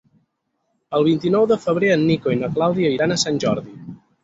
El vint-i-nou de febrer en Nico i na Clàudia iran a Sant Jordi.